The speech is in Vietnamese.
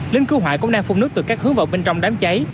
lính cứu hỏa cũng đang phun nước từ các hướng vào bên trong đám cháy